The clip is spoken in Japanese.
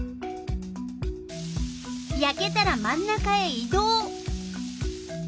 やけたら真ん中へい動。